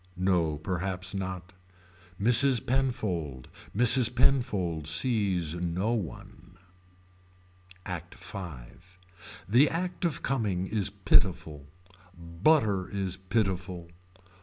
No perhaps not. Mrs. Penfold. Mrs. Penfold sees no one. ACT V. The act of coming is pitiful. Butter is pitiful.